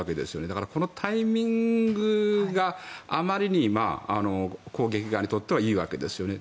だから、このタイミングがあまりに攻撃側にとってはいいわけですよね。